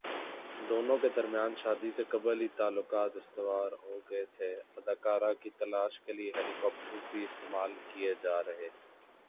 دونوں کے درمیان شادی سے قبل ہی تعلقات استوار ہوگئے تھےاداکارہ کی تلاش کے لیے ہیلی کاپٹرز بھی استعمال کیے جا رہے